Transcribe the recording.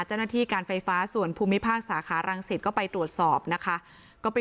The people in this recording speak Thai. เจ้าหน้าที่การไฟฟ้าส่วนภูมิภาคสาขารังสิตก็ไปตรวจสอบนะคะ